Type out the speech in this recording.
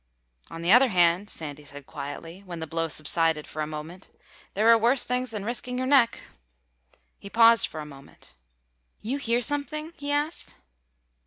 "On the other hand," Sandy said quietly, when the blow subsided for a moment, "there are worse things than risking your neck." He paused for a moment. "You hear something?" he asked.